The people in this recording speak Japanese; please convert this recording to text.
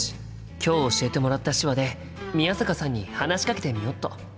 今日教えてもらった手話で宮坂さんに話しかけてみよっと！